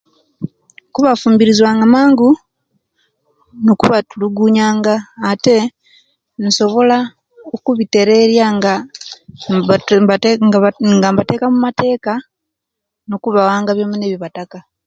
Kubafumbirisiya nga mangu nokubatulugunyanga ate nsobola kubitereria nga nga mbateka omumateka nokubawanga byobyona ebibataka